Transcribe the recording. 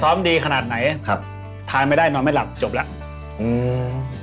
ซ้อมดีขนาดไหนทานไม่ได้นอนไม่หลับจบแล้ว